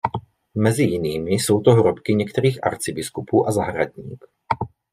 Mezi jinými jsou to hrobky některých arcibiskupů a zahradník.